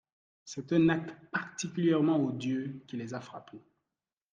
C’est un acte particulièrement odieux qui les a frappés.